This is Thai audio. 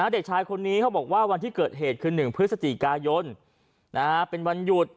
เด็กชายคนนี้เขาบอกว่าวันที่เกิดเหตุคือ๑พฤศจิกายนเป็นวันหยุด